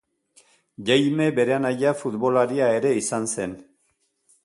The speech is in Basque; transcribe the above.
Jaime bere anaia futbolaria ere izan zen.